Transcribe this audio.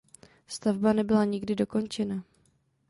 Stavba nebyla nikdy dokončena.